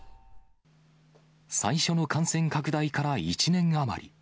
最初の感染拡大から１年余り。